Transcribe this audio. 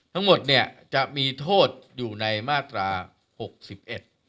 ทั้งหมดจะมีโทษอยู่ในมาตรา๖๑องค์เล็บ๑